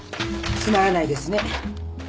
つまらないですね。